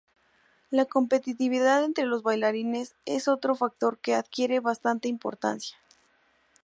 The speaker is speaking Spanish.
La competitividad entre los bailarines es otro factor que adquiere bastante importancia.